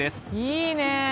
いいね。